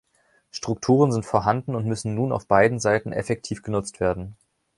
Strukturen sind vorhanden und müssen nun auf beiden Seiten effektiv genutzt werden.